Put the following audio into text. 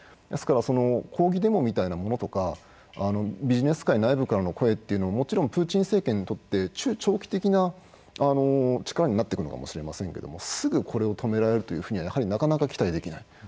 ですから抗議デモみたいなものとかビジネス界内部からの声っていうのはもちろんプーチン政権にとって中長期的な力になっていくのかもしれませんけどもすぐこれを止められるというふうにはやはりなかなか期待できない。